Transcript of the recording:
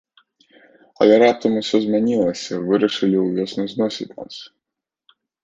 Але раптам усё змянілася, вырашылі ўвесну зносіць нас.